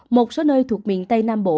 một số nơi thuộc miền tây nam bộ